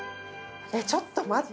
ちょっと待って。